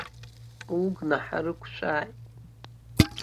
Угәнаҳа рықәшәааит!